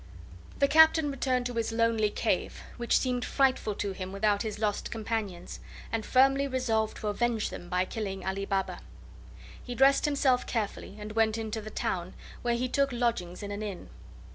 The Captain returned to his lonely cave, which seemed frightful to him without his lost companions, and firmly resolved to avenge them by killing Ali Baba. He dressed himself carefully, and went into the town, where he took lodgings in an inn.